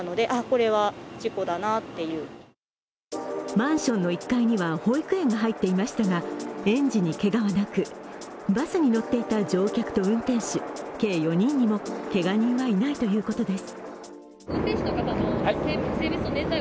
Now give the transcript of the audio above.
マンションの１階には保育園が入っていましたが、園児にけがはなく、バスに乗っていた乗客と運転手、計４人にもけが人はいないということです。